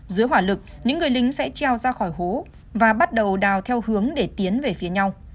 dưới hỏa lực những người lính sẽ treo ra khỏi hố và bắt đầu đào theo hướng để tiến về phía nhau